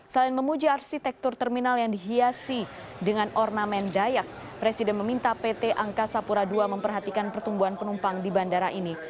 selain memuji arsitektur terminal yang dihiasi dengan ornamen dayak presiden meminta pt angkasa pura ii memperhatikan pertumbuhan penumpang di bandara ini